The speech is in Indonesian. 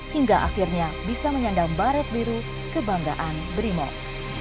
hingga akhirnya bisa menyandang baret biru kebanggaan brimob